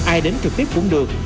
ai đến trực tiếp cũng được